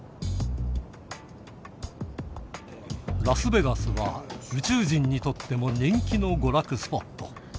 ラスベガスは宇宙人にとっても人気の娯楽スポット。